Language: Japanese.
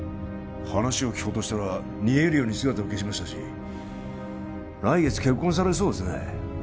話を聞こうとしたら逃げるように姿を消しましたし来月結婚されるそうですね